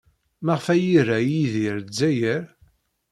Maɣef ay ira Yidir Lezzayer?